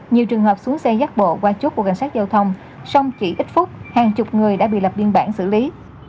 nhiều trường hợp xuống xe gác bộ qua chốt của cảnh sát giao thông xong chỉ ít phút hàng chục người đã bị lập biên bản xử lý